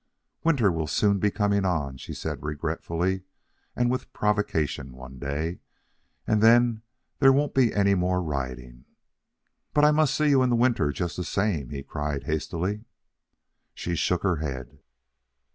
"Winter will soon be coming on," she said regretfully, and with provocation, one day, "and then there won't be any more riding." "But I must see you in the winter just the same," he cried hastily. She shook her head.